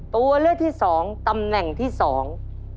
ตัวเลือกที่สองตำแหน่งที่สอง